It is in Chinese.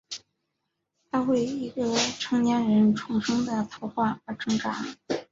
他为一个成年人重生的图画而挣扎。